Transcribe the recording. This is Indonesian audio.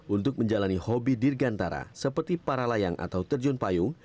untuk menjalani hobi dirgantara seperti para layang atau terjun payung